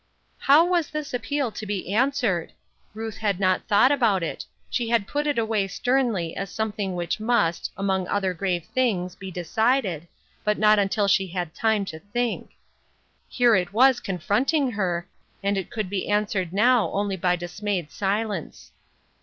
How was this appeal to be answered ? Ruth had not thought about it ; she had put it away sternly as something which must, among other grave things, be decided, but not until she had time to think ; here it was confronting her, and it could be answered now only by dismayed silence.